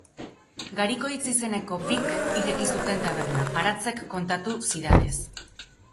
Garikoitz izeneko bik ireki zuten taberna, Aratzek kontatu zidanez.